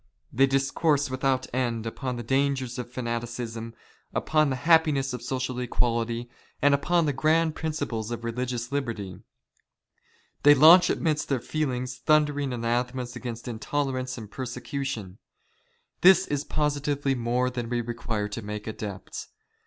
They discourse without end upon the dangers of " fanaticism, upon the happiness of social equality, and upon *'the grand principles of religious liberty. They launch amidst " their feastings thundering anathemas against intolerance " and persecution. This is positively more than we require to " make adepts.